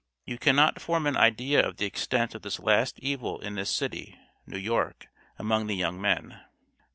You cannot form an idea of the extent of this last evil in this city [New York] among the young men."